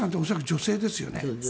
女性です。